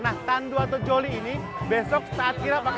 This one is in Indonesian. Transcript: nah tandu atau joli ini besok setelah kira kira berakhir